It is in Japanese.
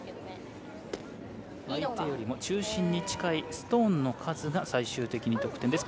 相手よりも中心に近いストーンの数が最終的に得点。